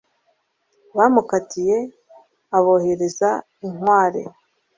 bamutakiye, aboherereza inkware